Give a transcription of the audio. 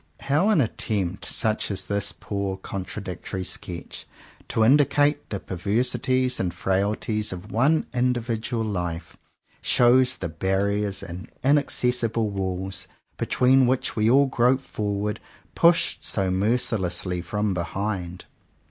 How an attempt, such as this poor con tradictory sketch, to indicate the perversi ties and frailties of one individual life, shows the barriers and inaccessible walls, between which we all grope forward, pushed so mercilessly from behind